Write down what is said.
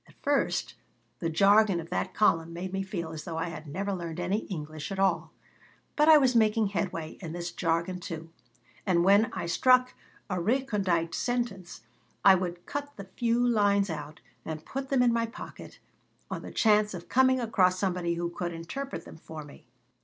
At first the jargon of that column made me feel as though I had never learned any English at all. But I was making headway in this jargon, too, and when I struck a recondite sentence I would cut the few lines out and put them in my pocket, on the chance of coming across somebody who could interpret them for me.